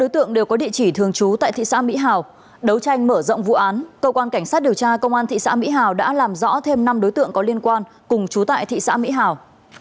trong thời gian mở rộng vụ án cơ quan cảnh sát điều tra công an thị xã mỹ hào đã làm rõ thêm năm đối tượng có liên quan cùng chú tại thị xã mỹ hào